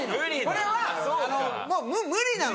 これはもう無理なの。